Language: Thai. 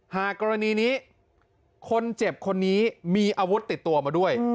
หากกรณีนี้คนเจ็บคนนี้มีอาวุธติดตัวมาด้วย